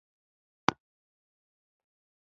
مرګونو ته یې د شهادت پرتګونه وراغوستل.